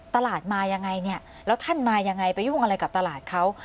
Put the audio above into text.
ตลาดมายังไงเนี่ยแล้วท่านมายังไงไปยุ่งอะไรกับตลาดเขา